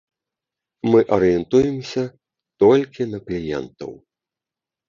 Мы арыентуемся толькі на кліентаў.